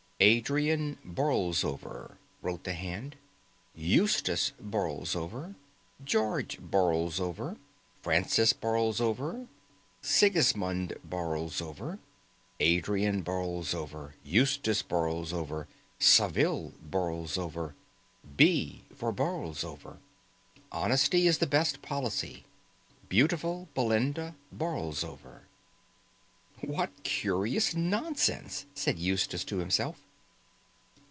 "Adrian Borlsover," wrote the hand, "Eustace Borlsover, George Borlsover, Francis Borlsover Sigismund Borlsover, Adrian Borlsover, Eustace Borlsover, Saville Borlsover. B, for Borlsover. Honesty is the Best Policy. Beautiful Belinda Borlsover." "What curious nonsense!" said Eustace to himself.